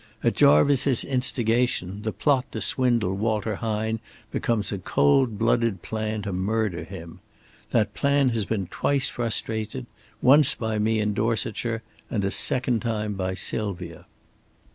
At Jarvice's instigation the plot to swindle Walter Hine becomes a cold blooded plan to murder him. That plan has been twice frustrated, once by me in Dorsetshire, and a second time by Sylvia."